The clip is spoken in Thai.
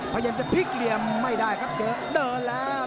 พยายามจะพลิกเหลี่ยมไม่ได้ครับเจอเดินแล้ว